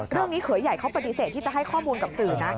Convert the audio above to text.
เรื่องนี้เขย่ายเขาปฏิเสธที่จะให้ข้อมูลกับสื่อ